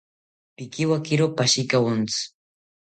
Pikiwakiro pashikawontzi